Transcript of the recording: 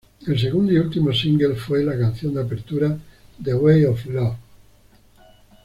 El segundo y último single fue la canción de apertura "The Way of Love".